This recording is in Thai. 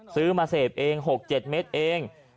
ซื้อมาเสพเอง๖๗เมตรเอง